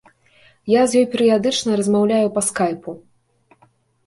Я з ёй перыядычна размаўляю па скайпу.